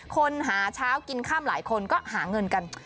คนหาเช้ากินข้ามหลายคนก็หาเงินกัน